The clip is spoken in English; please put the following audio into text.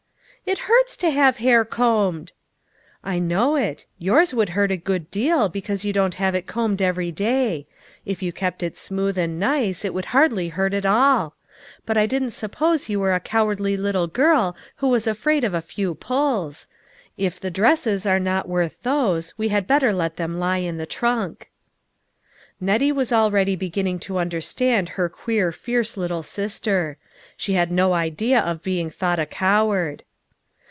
"It hurts to have hair combed." " I know it. Yours would hurt a good deal, because you don't have it combed every day ; if you kept it smooth and nice it would hardly hurt at all. But I didn't suppose you were a cowardly little girl who was afraid of a few pulls. If the dresses are not worth those, we had better let them lie in the trunk." Nettie was already beginning to understand her queer fierce little sister. She had no idea of being thought a coward.